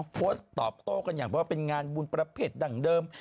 โพสต์ตอบโต้กันอย่างว่าเป็นงานบุญประเภทดั้งเดิม